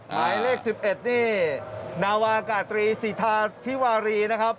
หมายเลข๑๑นี่นาวากาตรีสิทธาธิวารีนะครับ